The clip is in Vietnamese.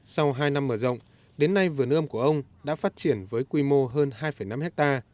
sau hai năm mở rộng đến nay vườn ươm của ông đã phát triển với quy mô hơn hai năm hectare